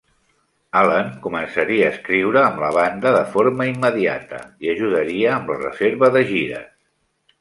Allen començaria a escriure amb la banda de forma immediata i ajudaria amb la reserva de gires.